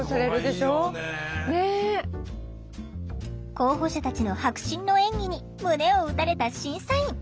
候補者たちの迫真の演技に胸を打たれた審査員。